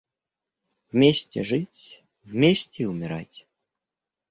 Вместе жить, вместе и умирать.